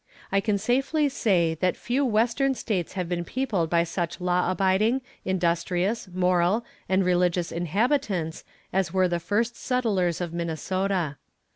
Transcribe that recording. I can safely say, that few Western States have been peopled by such law abiding, industrious, moral and religious inhabitants as were the first settlers of Minnesota.